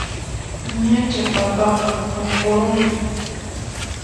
Ñachá papaqa puqurunña